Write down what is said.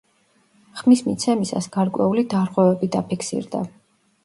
ხმის მიცემისას გარკვეული დარღვევები დაფიქსირდა.